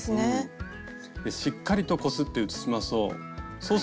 しっかりとこすって写しましょう。